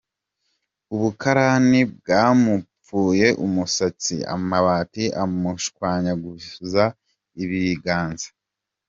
Ubukarani bwamupfuye umusatsi, amabati amushwanyaguza ibiganza.